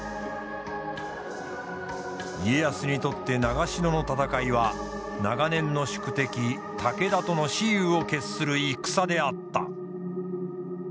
家康にとって長篠の戦いは長年の宿敵武田との雌雄を決する戦であった。